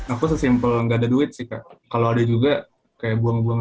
aku sesimpel nggak ada duit sih kak kalau ada juga kayak buang buang